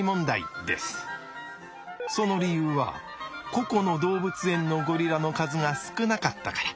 その理由は個々の動物園のゴリラの数が少なかったから。